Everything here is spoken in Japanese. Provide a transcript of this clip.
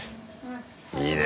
いいね